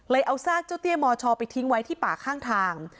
เอาซากเจ้าเตี้ยมชไปทิ้งไว้ที่ป่าข้างทาง